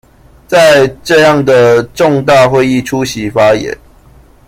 在這樣的重大會議出席發言